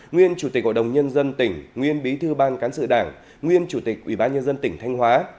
nguyên chủ tịch hội đồng nhân dân tỉnh nguyên bí thư ban cán sự đảng nguyên chủ tịch ủy ban nhân dân tỉnh thanh hóa